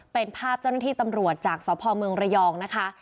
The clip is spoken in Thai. เป็นภาพเจ้าหน้าที่ตำรวจจากสพรยนะคะ